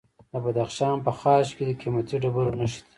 د بدخشان په خاش کې د قیمتي ډبرو نښې دي.